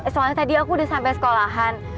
soalnya tadi aku udah sampai sekolahan